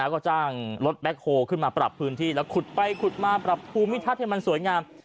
ก็จ้างรถแบ็คโฮลขึ้นมาปรับพื้นที่แล้วขุดไปขุดมาปรับภูมิทัศน์ให้มันสวยงาม